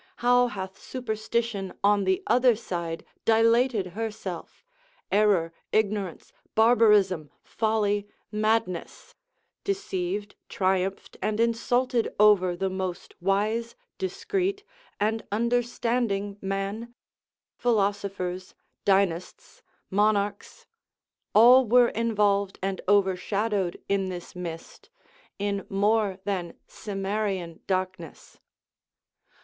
how hath superstition on the other side dilated herself, error, ignorance, barbarism, folly, madness, deceived, triumphed, and insulted over the most wise discreet, and understanding man, philosophers, dynasts, monarchs, all were involved and overshadowed in this mist, in more than Cimmerian darkness.